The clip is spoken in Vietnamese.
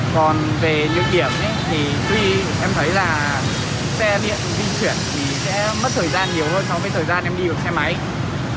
còn về nhược điểm thì tuy em thấy là xe điện di chuyển thì sẽ mất thời gian nhiều hơn so với thời gian em đi được xe máy